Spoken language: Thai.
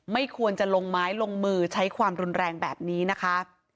ไม่ควรจะลงไม้ลงมือใช้ความรุนแรงแบบนี้นะคะ